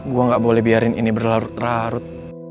gue gak boleh biarin ini berlarut larut